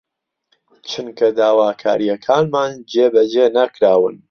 چونکە داواکارییەکانمان جێبەجێ نەکراون